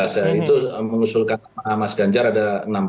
nah kemudian ada dua yang mengusulkan nama mas ganjar ada enam belas